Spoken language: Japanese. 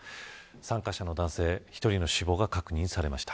参加者の男性１人の死亡が確認されました。